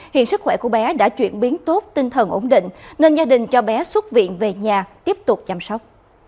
hiện sức khỏe của bé đã chuyển biến tốt tinh thần ổn định nên gia đình cho bé xuất viện về nhà tiếp tục chăm sóc